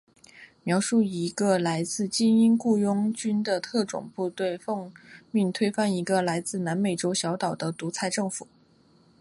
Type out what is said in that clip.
描述一队来自精英雇佣军的特种部队奉命推翻一个位于南美洲小岛的独裁政府。